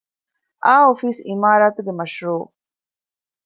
އައު އޮފީސް ޢިމާރާތުގެ މަޝްރޫޢު